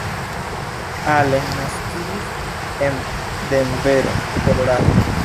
Allen naskiĝis en Denvero, Kolorado.